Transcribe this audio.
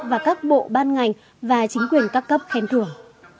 và các bộ ban ngành và chính quyền các cấp khen thưởng